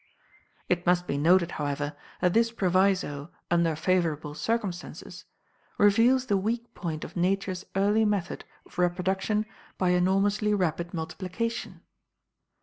It must be noted, however, that this proviso "under favorable circumstances" reveals the weak point of Nature's early method of reproduction by enormously rapid multiplication.